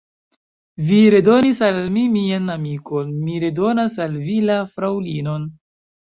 Vi redonis al mi mian amikon, mi redonas al vi la fraŭlinon.